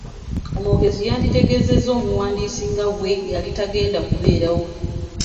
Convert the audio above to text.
Omwogezi yanditegezezza omuwandiisi nga bwe yali tagenda kubeerawo.